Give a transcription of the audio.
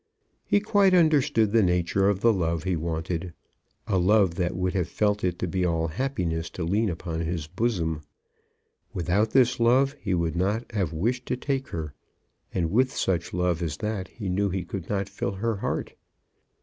He quite understood the nature of the love he wanted, a love that would have felt it to be all happiness to lean upon his bosom. Without this love he would not have wished to take her; and with such love as that he knew he could not fill her heart.